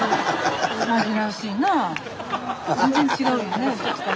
全然違うよね。